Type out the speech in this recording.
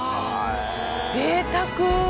ぜいたく。